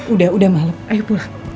udah udah malam ayo pulang